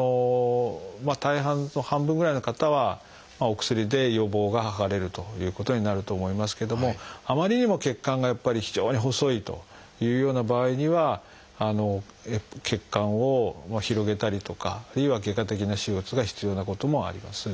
大半半分ぐらいの方はお薬で予防が図れるということになると思いますけどもあまりにも血管がやっぱり非常に細いというような場合には血管を広げたりとかあるいは外科的な手術が必要なこともあります。